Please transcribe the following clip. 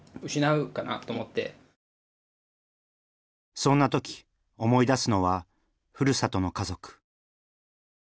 そんな時思い出すのはふるさとの家族。